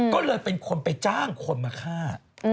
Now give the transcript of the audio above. ก็เลยเป็นคนไปจ้างคนมาฆ่า